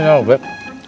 ini ya beb